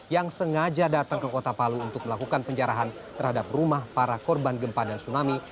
yang sengaja datang ke kota palu untuk melakukan penjarahan terhadap rumah para korban gempa dan tsunami